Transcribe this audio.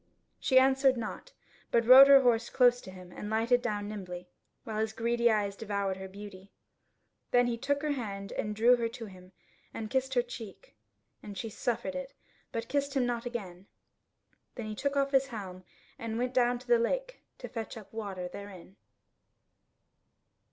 She answered nought, but rode her horse close to him and lighted down nimbly, while his greedy eyes devoured her beauty. Then he took her hand and drew her to him, and kissed her cheek, and she suffered it, but kissed him not again. Then he took off his helm, and went down to the lake to fetch up water therein.